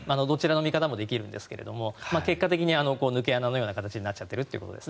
どちらの見方もできるんですが結果的に抜け穴のような形になっちゃっていると。